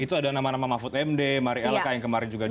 itu ada nama nama mahfud md mari lk yang kemarin juga di